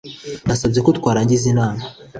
Nasabye ko twarangiza inama.